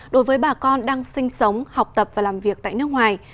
đối với bà con đang sinh sống học tập và làm việc tại nước ngoài